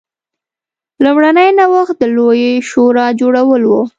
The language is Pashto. لومړنی نوښت د لویې شورا جوړول و